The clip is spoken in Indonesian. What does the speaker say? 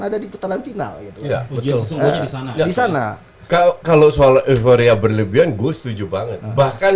ada di petang final itu tidak bisa kalau soal euforia berlebihan gue setuju banget bahkan